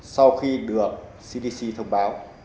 sau khi được cdc thông báo